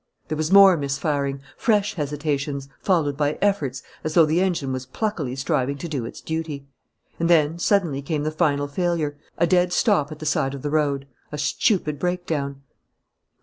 There was more misfiring, fresh hesitations, followed by efforts, as though the engine was pluckily striving to do its duty. And then suddenly came the final failure, a dead stop at the side of the road, a stupid breakdown.